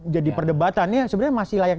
jadi perdebatannya sebenarnya masih layak